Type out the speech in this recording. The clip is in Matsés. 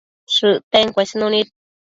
shëcten cuesnunid